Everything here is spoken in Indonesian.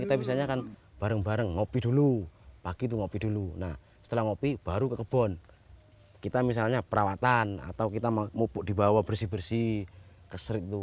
kita bisa nyopes pastinya pagi kita misalnya perakasan atau kita membawa bersih bersih itu